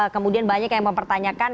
kemudian banyak yang mempertanyakan